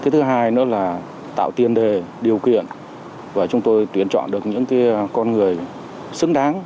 thứ hai nữa là tạo tiên đề điều kiện và chúng tôi tuyển chọn được những con người xứng đáng